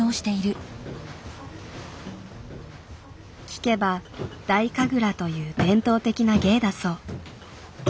聞けば「太神楽」という伝統的な芸だそう。